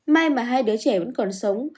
may mà hai đứa trẻ vẫn còn sống